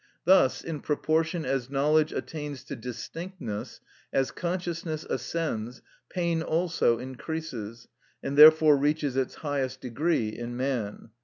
Thus, in proportion as knowledge attains to distinctness, as consciousness ascends, pain also increases, and therefore reaches its highest degree in man.